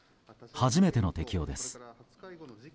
初めての適用です。